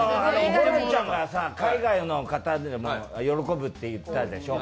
ホランちゃんが海外の方も喜ぶって言ったでしょう？